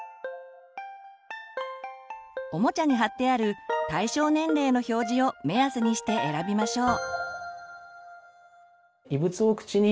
おもちゃに貼ってある対象年齢の表示を目安にして選びましょう。